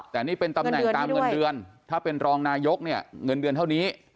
แต่นี่เป็นตำแหน่งตามเงินเดือนถ้าเป็นรองนายกเนี่ยเงินเดือนเท่านี้